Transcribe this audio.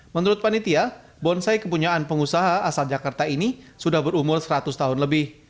menurut panitia bonsai kepunyaan pengusaha asal jakarta ini sudah berumur seratus tahun lebih